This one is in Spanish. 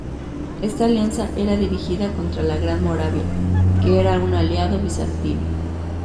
Esta alianza era dirigida contra la Gran Moravia, que era un aliado bizantino.